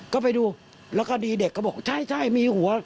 ก็ไปดูแล้วก็ดีเด็กเขาบอกใช่มีหัว